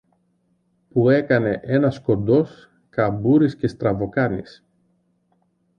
που έκανε ένας κοντός, καμπούρης και στραβοκάνης.